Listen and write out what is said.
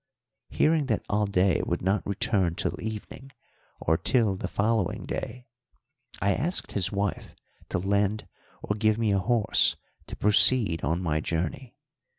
Hearing that Alday would not return till evening or till the following day, I asked his wife to lend or give me a horse to proceed on my journey.